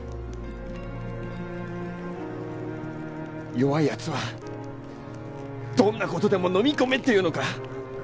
弱いやつはどんなことでものみ込めっていうのか？